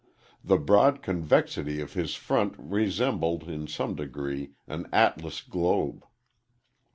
The broad convexity of his front resembled, in some degree, an atlas globe.